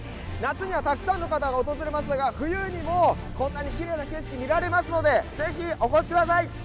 夏にはたくさんの方が訪れますが、冬にもこんなにきれいな景色見られますので、ぜひお越しください。